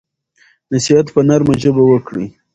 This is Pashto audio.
نصیحت په نرمه ژبه وکړئ.